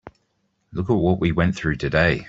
Look at what we went through today.